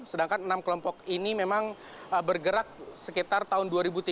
sedangkan enam kelompok ini memang bergerak sekitar tahun dua ribu tiga belas